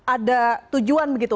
ada tujuan begitu